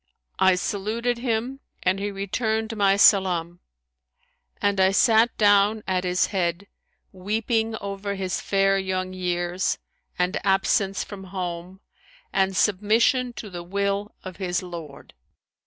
I saluted him and he returned my salam; and I sat down at his head weeping over his fair young years and absence from home and submission to the will of his Lord.